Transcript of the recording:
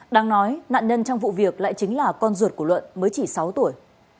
đang nói nạn nhân trong vụ việc lại chính là con ruột của luận mới chỉ sáu tuổi